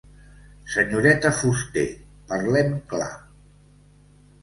Senyoreta Fuster, parlem clar.